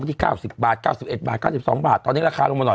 เมื่อกี้๙๐บาท๙๑บาท๙๒บาทตอนนี้ราคาลงมาหน่อยละ๘๕๘๗